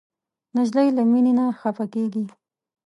نجلۍ له مینې نه خفه کېږي.